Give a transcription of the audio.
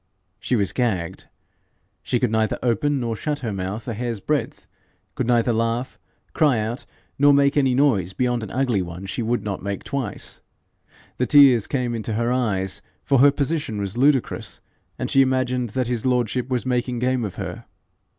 She was gagged. She could neither open nor shut her mouth a hair's breadth, could neither laugh, cry out, nor make any noise beyond an ugly one she would not make twice. The tears came into her eyes, for her position was ludicrous, and she imagined that his lordship was making game of her.